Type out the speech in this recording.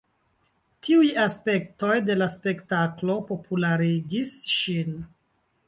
Tiuj aspektoj de la spektaklo popularigis ŝin.